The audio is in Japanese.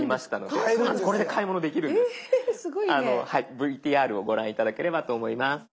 ＶＴＲをご覧頂ければと思います。